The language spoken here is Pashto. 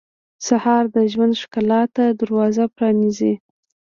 سهار د ژوند ښکلا ته دروازه پرانیزي.